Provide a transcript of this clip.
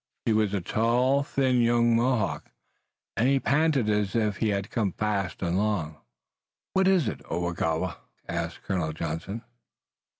He was a tall, thin young Mohawk, and he panted as if he had come fast and long. "What is it, Oagowa?" asked Colonel Johnson.